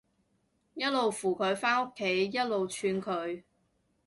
一路扶佢返屋企，一路串佢